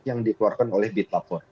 yang dikeluarkan oleh bitlab empat